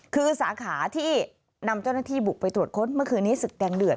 คือสาขาที่นำเจ้าหน้าที่บุกไปตรวจค้นเมื่อคืนนี้ศึกแดงเดือด